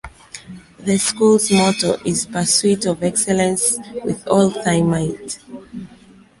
The school's motto is 'Pursuit of Excellence With All Thy Might'.